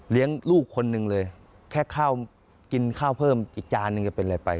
เลี้ยงลูกคนหนึ่งเลยแค่กินข้าวเพิ่มอีกจานหนึ่งก็เป็นไรไป